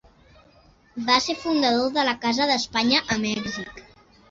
Va ser fundador de la Casa d'Espanya a Mèxic.